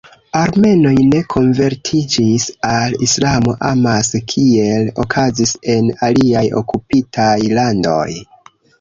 Armenoj ne konvertiĝis al Islamo amase kiel okazis en aliaj okupitaj landoj.